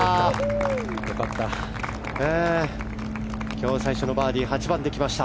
今日最初のバーディーが８番できました。